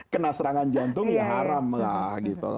kena serangan jantung ya haram lah gitu